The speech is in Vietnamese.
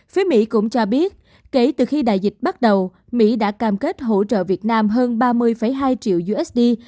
phía mỹ cũng cho biết kể từ khi đại dịch bắt đầu mỹ đã cam kết hỗ trợ việt nam hơn ba mươi hai triệu usd